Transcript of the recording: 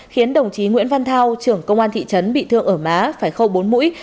khiến đồng chí nguyễn văn thao trưởng công an thị trấn bị thương ở má phải khâu bốn mũi